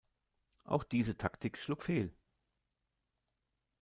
Auch diese Taktik schlug fehl.